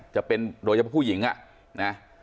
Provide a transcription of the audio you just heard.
จะเป็นโดยผู้หญิงอะ